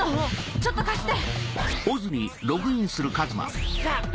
ちょっと貸して！